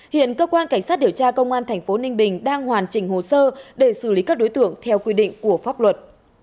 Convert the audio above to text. hiện cơ quan cảnh sát điều tra công an tp ninh bình đang hoàn chỉnh hồ sơ để xử lý các đối tượng theo quy định của pháp luật